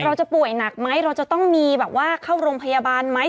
เราจะป่วยหนักไหมเราจะต้องมีแบบว่าเข้าโรงพยาบาลไหม